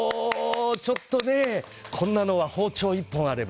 ちょっとこんなのは包丁１本あれば。